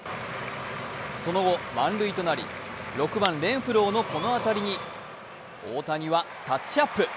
その後満塁となり６番・レンフローのこの当たりに大谷はタッチアップ。